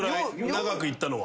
長くいったのは。